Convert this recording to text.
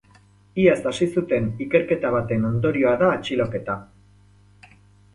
Iaz hasi zuten ikerketa baten ondorioa da atxiloketa.